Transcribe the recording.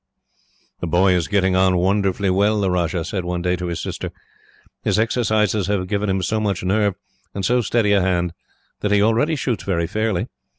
"The boy is getting on wonderfully well," the Rajah said one day to his sister. "His exercises have given him so much nerve, and so steady a hand, that he already shoots very fairly.